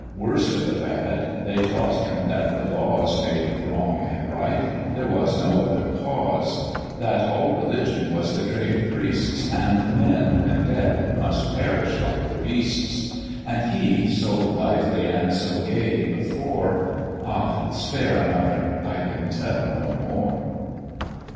Worst of the bad they taught him that the laws Made wrong and right; there was no other cause, That all religion was the trade of priests, And men, when dead, must perish like the beasts: And he, so lively and so gay, before Ah; spare a mother I can tell no more.